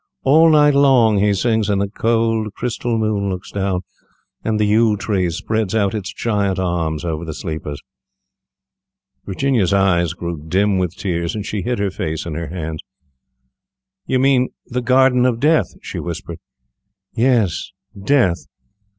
All night long he sings, and the cold crystal moon looks down, and the yew tree spreads out its giant arms over the sleepers." Virginia's eyes grew dim with tears, and she hid her face in her hands. "You mean the Garden of Death," she whispered. "Yes, death.